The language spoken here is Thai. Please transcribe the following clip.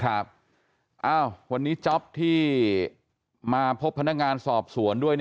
ครับวันนี้จ๊อปที่มาพบพนักงานสอบสวนด้วย